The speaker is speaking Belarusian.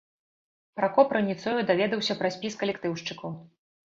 Пракоп раніцою даведаўся пра спіс калектыўшчыкаў.